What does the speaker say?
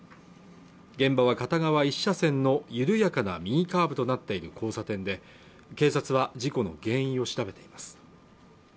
現場は片側１車線の緩やかな右カーブとなっている交差点で警察は事故の原因を調べています